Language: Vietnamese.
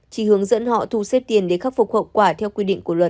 chỉ hướng dẫn họ thu xếp tiền để khắc phục hậu quả theo quy định của luật